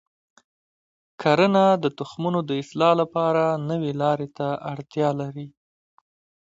کرنه د تخمونو د اصلاح لپاره نوي لارې ته اړتیا لري.